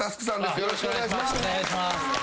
よろしくお願いします。